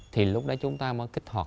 thì lúc đó chúng ta mới kích hoạt